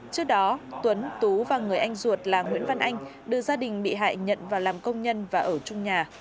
trước đó tuấn tú và người anh ruột là nguyễn văn anh đưa gia đình bị hại nhận vào làm công nhân và ở chung nhà